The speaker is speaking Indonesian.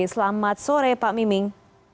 selamat sore pak miming